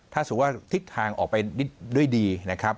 ถ้าสมมุติว่าทิศทางออกไปด้วยดีนะครับ